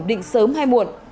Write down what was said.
định sớm hay muộn